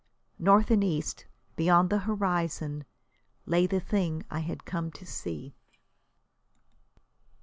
North and east, beyond the horizon, lay the thing I had come to see.